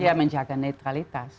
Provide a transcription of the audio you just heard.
menjaga menjaga netralitas